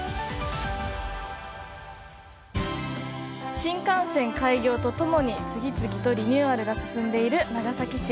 新幹線開業と共に次々とリニューアルが進んでいる長崎市。